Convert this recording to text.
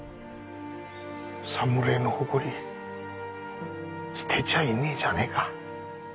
侍の誇り捨てちゃいねえじゃねえか。